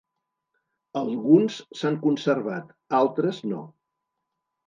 Alguns s'han conservat, altres no.